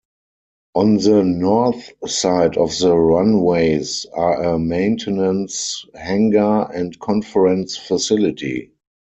On the north side of the runways are a maintenance hangar and conference facility.